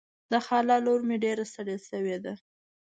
د خاله لور مې ډېره ستړې شوې ده.